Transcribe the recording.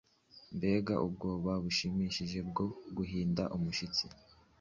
mbega ubwoba bushimishije bwo guhinda umushyitsi!